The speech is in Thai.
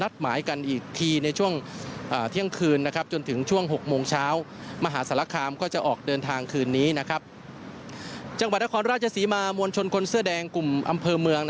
ราชศีมาต์มวลชนคนเสื้อแดงกลุ่มอำเภอเมือง